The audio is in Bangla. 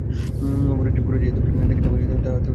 গোরা যে এই দলকে দেখিতে পাইয়াছিল তাহাতে কাহারো সন্দেহ ছিল না।